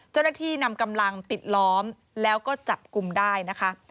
เจ้าหน้าที่นำกำลังปิดล้อมแล้วก็จับกลุ่มได้นะคะ